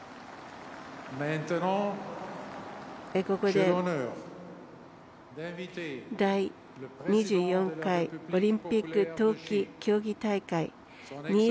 ここで、第２４回オリンピック冬季競技大会２０２２